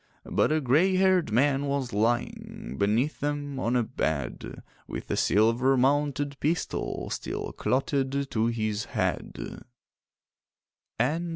But a grey haired man was lying Beneath them on a bed, With a silver mounted pistol Still clotted to his head.